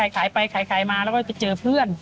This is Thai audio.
ขายไปขายมาแล้วก็ไปเจอเพื่อน